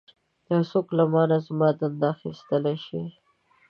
یو څوک له مانه زما دنده اخیستلی شي.